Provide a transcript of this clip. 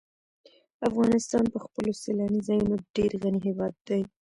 افغانستان په خپلو سیلاني ځایونو ډېر غني هېواد دی.